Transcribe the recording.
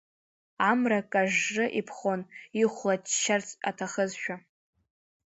Амра кажжы иԥхон, ихәлаччарц аҭахызшәа.